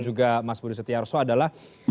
juga mas budi setiarso adalah